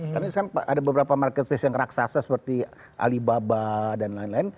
karena sekarang ada beberapa marketplace yang raksasa seperti alibaba dan lain lain